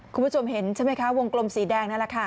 คุณผู้ชมเห็นใช่ไหมคะวงกลมสีแดงนั่นแหละค่ะ